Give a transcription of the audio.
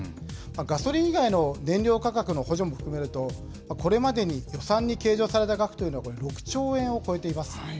ガソリン以外の燃料価格の補助も含めると、これまでに予算に計上された額というのが６兆円を超えています。